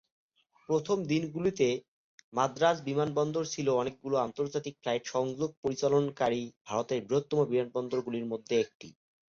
প্রথম দিনগুলিতে, মাদ্রাজ বিমানবন্দর ছিল অনেকগুলি আন্তর্জাতিক ফ্লাইট সংযোগ পরিচালনাকারী ভারতের বৃহত্তম বিমানবন্দরগুলির মধ্যে একটি।